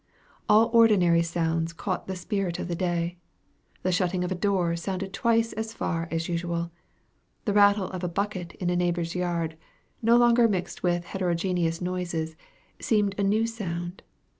All ordinary sounds caught the spirit of the day. The shutting of a door sounded twice as far as usual. The rattle of a bucket in a neighbor's yard, no longer mixed with heterogeneous noises, seemed a new sound.